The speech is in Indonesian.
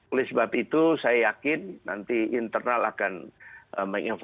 oleh sebab itu saya yakin nanti internal akan menginvesti